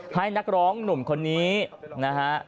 ให้นักร้องหนุ่มคนนี้นะฮะ